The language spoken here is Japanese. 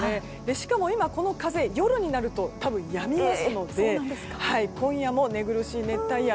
しかも今この風、夜になると多分やみますので今夜も寝苦しい熱帯夜。